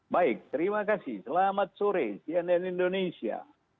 baik terima kasih selamat sore sian dan indonesia